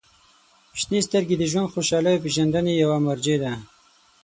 • شنې سترګې د ژوند خوشحالۍ او پېژندنې یوه مرجع ده.